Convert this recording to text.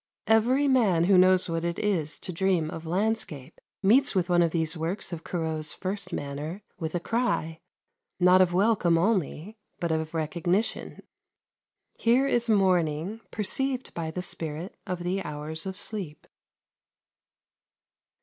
Every man who knows what it is to dream of landscape meets with one of these works of Corot's first manner with a cry, not of welcome only, but of recognition. Here is morning perceived by the spirit of the hours of sleep.